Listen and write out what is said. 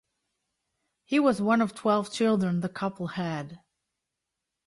He was one of twelve children the couple had.